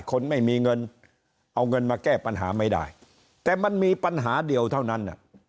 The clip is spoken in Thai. คนไม่มีเงินเอาเงินมาแก้ปัญหาไม่ได้แต่มันมีปัญหาเดียวเท่านั้น